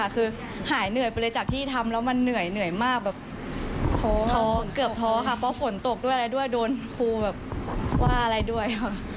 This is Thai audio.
เกือบท้อครับเพราะฝนตกด้วยและด้วยโดนครูแบบว่าอะไรด้วย